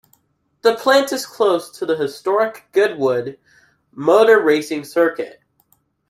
The plant is close to the historic Goodwood Motor Racing Circuit.